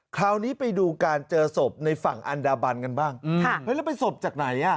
คราวนี้ไปดูการเจอศพในฝั่งอันดาบันกันบ้างแล้วเป็นศพจากไหนอ่ะ